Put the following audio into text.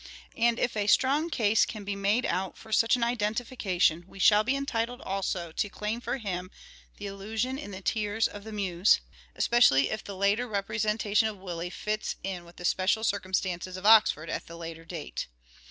And if a strong case can be made out for such an identification we shall be entitled also to claim for him the allusion in the " Tears of the Muses," especially if the later representation of " Willie " fits in with the special circumstances of Oxford at the later date.